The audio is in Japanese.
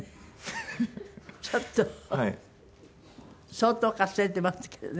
相当かすれていますけどね。